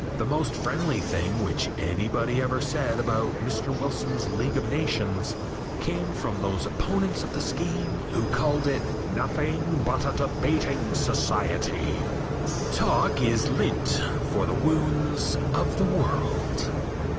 The most friendly thing which anybody ever said about Mr. Wilson's League of Nations came from those opponents of the scheme who called it "nothing but a debating society." Talk is lint for the wounds of the world.